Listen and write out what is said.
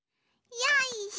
よいしょ。